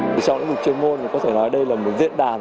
trong lĩnh vực chương môn có thể nói đây là một diện đàn